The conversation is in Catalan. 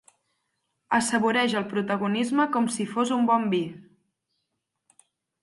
Assaboreix el protagonisme com si fos un bon vi.